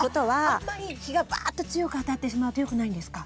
あんまり日がバーッて強く当たってしまうと良くないんですか？